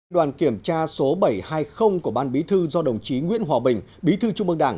đoàn kiểm tra số bảy trăm hai mươi của ban bí thư do đồng chí nguyễn hòa bình bí thư trung mương đảng